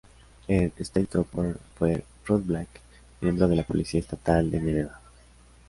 En "State Trooper" fue Rod Blake, miembro de la Policía Estatal de Nevada.